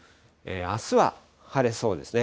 あすは晴れそうですね。